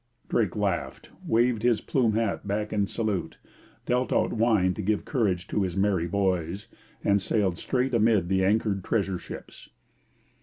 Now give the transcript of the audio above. Drake laughed, waved his plumed hat back in salute, dealt out wine to give courage to 'his merrie boys,' and sailed straight amid the anchored treasure ships.